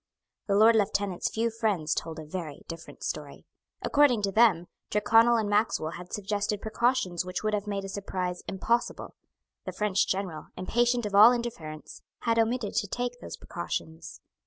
The Lord Lieutenant's few friends told a very different story. According to them, Tyrconnel and Maxwell had suggested precautions which would have made a surprise impossible. The French General, impatient of all interference, had omitted to take those precautions.